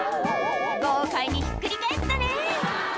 豪快にひっくり返ったね